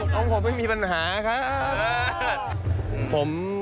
ของผมไม่มีปัญหาครับ